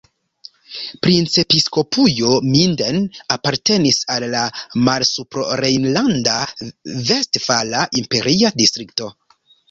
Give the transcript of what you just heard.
Princepiskopujo Minden apartenis al la Malsuprorejnlanda-Vestfala Imperia Distrikto.